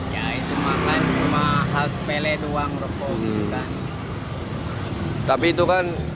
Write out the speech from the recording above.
ya itu makanya cuma hal sepele doang